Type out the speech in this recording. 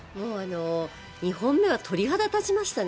２本目は鳥肌が立ちましたね。